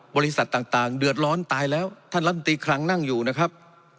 บริษัทต่างเดือดร้อนตายแล้วท่านลำตีคลังนั่งอยู่นะครับ